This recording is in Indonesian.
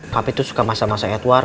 pak pitu suka masak masak edward